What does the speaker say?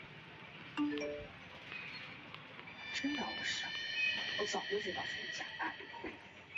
科隆贝莱塞克人口变化图示